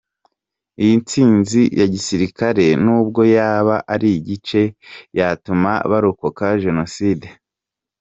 Iyi ntsinzi ya gisirikare, n’ubwo yaba ari igice, yatuma barokoka jenoside”.